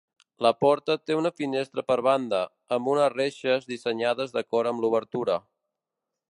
La porta té una finestra per banda, amb unes reixes dissenyades d'acord amb l'obertura.